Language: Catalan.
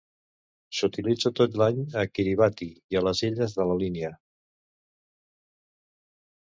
S'utilitza tot l'any a Kiribati i les Illes de la Línia.